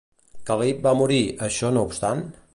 Cal·lip va morir, això no obstant?